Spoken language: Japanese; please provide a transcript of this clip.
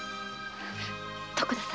徳田様。